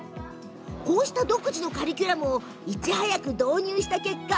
こうした独自のカリキュラムをいち早く導入した結果